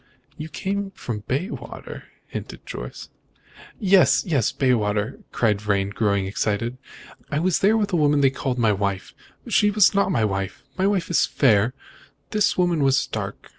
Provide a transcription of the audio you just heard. "You came here from Bayswater," hinted Jorce. "Yes, yes, Bayswater!" cried Vrain, growing excited. "I was there with a woman they called my wife. She was not my wife! My wife is fair, this woman was dark.